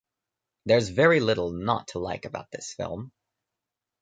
There's very little not to like about this film.